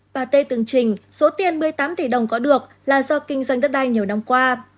bà tê từng trình số tiền một mươi tám tỷ đồng có được là do kinh doanh đất đai nhiều năm qua